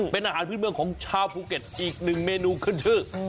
เป็นอาหารพื้นเมืองของชาวภูเก็ตอีกหนึ่งเมนูขึ้นชื่อ